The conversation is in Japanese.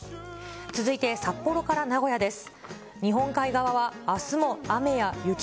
続いて札幌から名古屋です。